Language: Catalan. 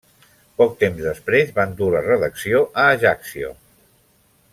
Poc temps després van dur la redacció a Ajaccio.